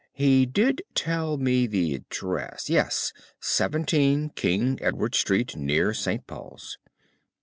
He did tell me the address. Yes, 17 King Edward Street, near St. Paul's.